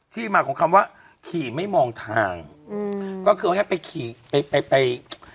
ที่มาของคำว่าขี่ไม่มองทางอืมก็คือเอาแค่ไปขี่ไปไป